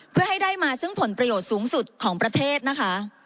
เพื่อให้ได้มาซึ่งผลประโยชน์สูงสุดของประเทศนะคะ